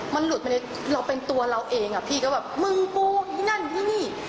มันหลุดมาในเราเป็นตัวเราเองพี่ก็แบบมึงปวงที่นั่นที่นี่